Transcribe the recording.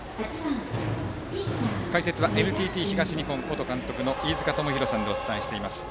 解説はＮＴＴ東日本元監督の飯塚智広さんとお伝えしています。